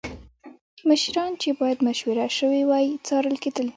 مشیران چې باید مشوره شوې وای څارل کېدل